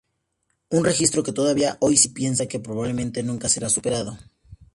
Un registro que todavía hoy si piensa que probablemente nunca será superado.